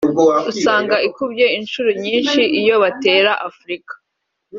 usanga ikubye inshuri nyinshi iyo batera Afurika